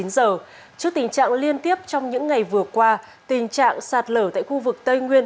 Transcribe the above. trước tình trạng liên tiếp trong những ngày vừa qua tình trạng sạt lở tại khu vực tây nguyên